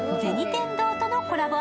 天堂とのコラボ